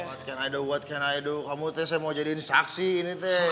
what can i do what can i do kamu teh saya mau jadiin saksi ini teh